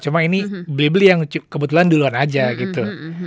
cuma ini blibli yang kebetulan duluan aja gitu